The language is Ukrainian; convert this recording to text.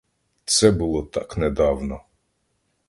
Це було так недавно.